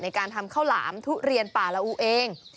การทำข้าวหลามทุเรียนป่าละอูเอง